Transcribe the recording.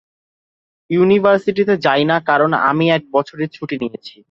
ইউনিভার্সিটিতে যাই না, কারণ আমি এক বছরের ছুটি নিয়েছি।